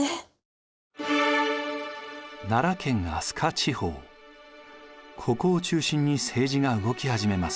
ここを中心に政治が動き始めます。